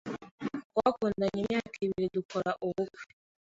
Twakundanye imyaka ibiri dukora ubukwe.